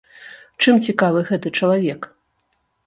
Чым цікавы гэты чалавек?